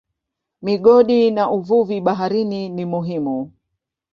Migodi na uvuvi baharini ni muhimu.